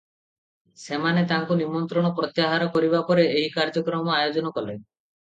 ସେମାନେ ତାଙ୍କୁ ନିମନ୍ତ୍ରଣ ପ୍ରତ୍ୟାହାର କରିବା ପରେ ଏହି କାର୍ଯ୍ୟକ୍ରମ ଆୟୋଜନ କଲେ ।